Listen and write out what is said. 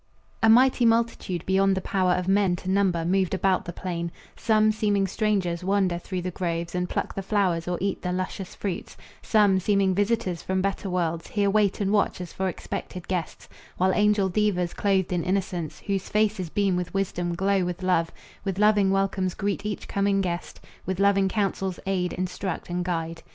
A mighty multitude, beyond the power Of men to number, moved about the plain; Some, seeming strangers, wander through the groves And pluck the flowers or eat the luscious fruits; Some, seeming visitors from better worlds, Here wait and watch as for expected guests; While angel devas, clothed in innocence, Whose faces beam with wisdom, glow with love, With loving welcomes greet each coming guest, With loving counsels aid, instruct and guide.